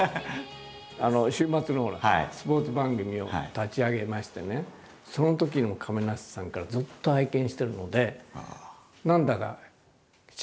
週末のスポーツ番組を立ち上げましてねそのときの亀梨さんからずっと拝見してるので何だか親戚のような感じっていうか。